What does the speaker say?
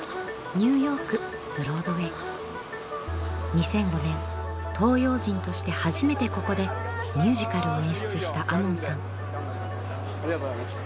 ２００５年東洋人として初めてここでミュージカルを演出した亞門さん。